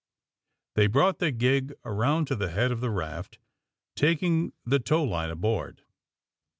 They brought the gig around to the head of the raft, taking the tow line aboard.